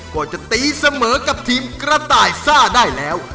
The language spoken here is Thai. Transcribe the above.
ก็จะตีเสมอกับทีมกระต่ายซ่าได้แล้ว